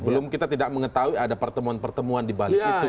belum kita tidak mengetahui ada pertemuan pertemuan dibalik itu